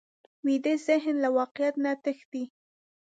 ویده ذهن له واقعیت نه تښتي